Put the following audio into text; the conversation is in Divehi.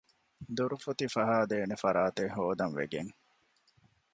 ދޮރުފޮތި ފަހައިދޭނެ ފަރާތެއް ހޯދަން ވެގެން